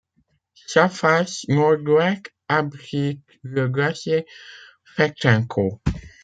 Sa face Nord-Ouest abrite le glacier Fedtchenko.